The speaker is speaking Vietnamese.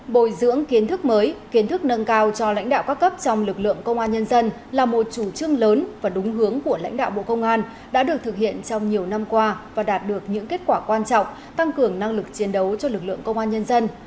bồi dưỡng kiến thức mới kiến thức nâng cao cho lãnh đạo các cấp trong lực lượng công an nhân dân là một chủ trương lớn và đúng hướng của lãnh đạo bộ công an đã được thực hiện trong nhiều năm qua và đạt được những kết quả quan trọng tăng cường năng lực chiến đấu cho lực lượng công an nhân dân